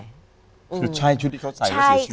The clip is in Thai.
คือใช่ชุดที่เขาใส่แล้วเสียชีวิต